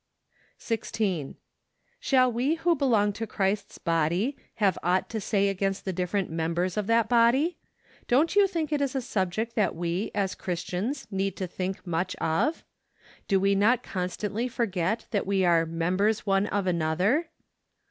SEPTEMBER. 103 16. Shall we who belong to Christ's body have aught to say against the different members of that body ? Don't you think it is a subject that we, as Christians, need to think much of ? Do we not constantly for¬ get that we are " members one of another